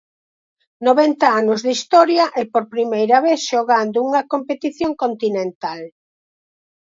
Noventa anos de historia e por primeira vez xogando unha competición continental.